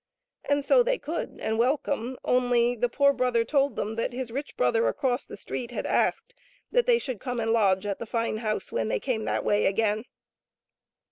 And so they could and welcome, only the poor brother told them that his rich brother across the street had asked that they should come and lodge at the fine house when they came that way again.